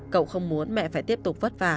cậu không muốn mẹ phải tiếp tục vất vả